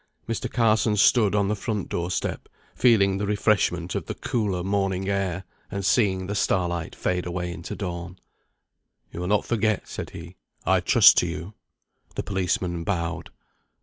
Mr. Carson stood on the front door step, feeling the refreshment of the cooler morning air, and seeing the starlight fade away into dawn. "You will not forget," said he. "I trust to you." The policeman bowed.